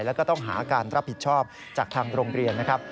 แล้วก็ต้องหาการรับผิดชอบจากทางโรงเรียนนะครับ